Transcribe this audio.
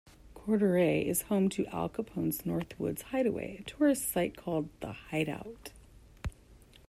Couderay is home to Al Capone's northwoods hideaway, a tourist site called The Hideout.